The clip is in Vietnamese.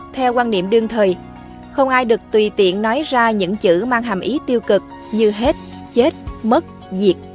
theo quan niệm đương thời không ai được tùy tiện nói ra những chữ mang hàm ý tiêu cực như hết chết mất diệt